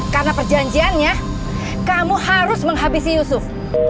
karena perjanjiannya kamu harus menghabisi yusuf